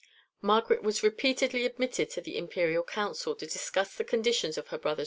Margaret was repeatedly admitted to the Imperial council to discuss the conditions of her brother's ransom.